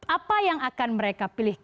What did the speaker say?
apa yang akan mereka pilih